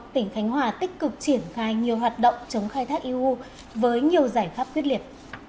tỉnh khánh hòa tích cực triển khai nhiều hoạt động chống khai thác eu với nhiều giải pháp quyết liệt